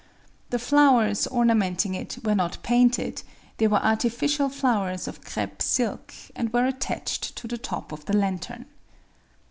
The flowers ornamenting it were not painted: they were artificial flowers of crêpe silk, and were attached to the top of the lantern.